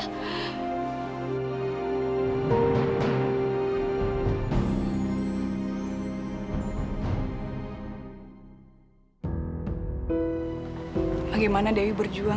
kalau saya ada racun